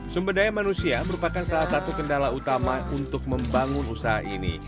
sumber daya manusia merupakan salah satu kendala utama untuk membangun usaha ini